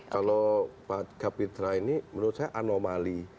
kalau pak kapitra ini menurut saya anomali